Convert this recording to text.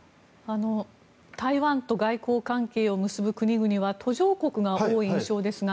台湾と外交関係を結ぶ国々は途上国が多い印象ですが。